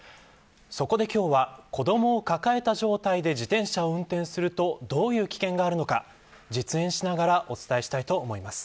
そこで今日は子ども抱えた状態で自転車を運転するとどういう危険があるのか実演しながらお伝えしたいと思います。